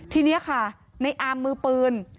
ทีนี้ค่ะในอามมือปืน